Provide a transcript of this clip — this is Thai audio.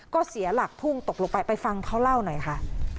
ก็เสียหลักพุ่งตกลงไปไปฟังเขาเล่าหน่อยค่ะ